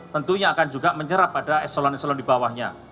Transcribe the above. tentunya akan juga menyerap pada eselon eselon di bawahnya